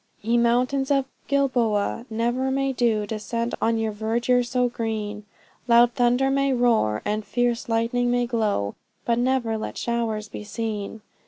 Ye mountains of Gilboa, never may dew Descend on your verdure so green; Loud thunder may roar, and fierce lightning may glow But never let showers be seen.